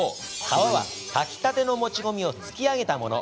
皮は炊きたての餅米をつきあげたもの。